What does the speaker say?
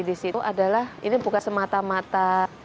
disitu adalah ini bukan semata mata